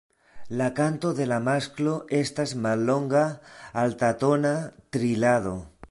La kanto de la masklo estas mallonga altatona trilado.